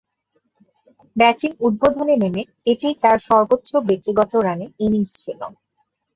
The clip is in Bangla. ব্যাটিং উদ্বোধনে নেমে এটিই তার সর্বোচ্চ ব্যক্তিগত রানের ইনিংস ছিল।